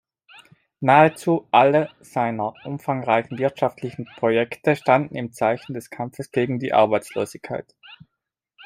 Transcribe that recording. Nahezu alle seiner umfangreichen wirtschaftspolitischen Projekte standen im Zeichen des Kampfes gegen die Arbeitslosigkeit.